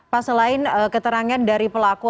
pak selain keterangan dari pelaku